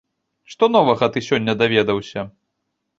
Што новага ты сёння даведаўся?